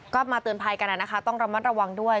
ก็มาเตือนภัยกันนะคะต้องระมัดระวังด้วย